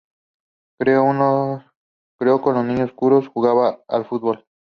Creó con los niños un coro, jugaba al fútbol.